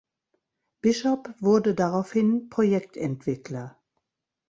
Bishop wurde daraufhin Projektentwickler.